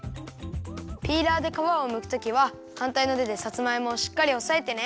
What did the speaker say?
ピーラーでかわをむくときははんたいのてでさつまいもをしっかりおさえてね。